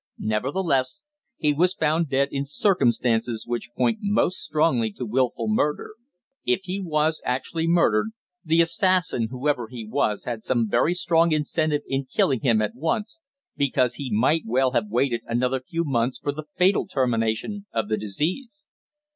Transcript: Nevertheless, he was found dead in circumstances which point most strongly to wilful murder. If he was actually murdered, the assassin, whoever he was, had some very strong incentive in killing him at once, because he might well have waited another few months for the fatal termination of the disease.